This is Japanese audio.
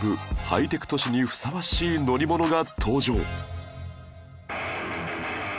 ハイテク都市にふさわしい乗り物が登場